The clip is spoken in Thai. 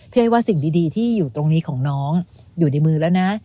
ไอ้ว่าสิ่งดีที่อยู่ตรงนี้ของน้องอยู่ในมือแล้วนะ